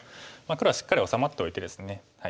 黒はしっかり治まっておいてですね。